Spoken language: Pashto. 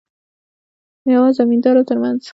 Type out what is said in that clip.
یوه زمیندار ترمنځ.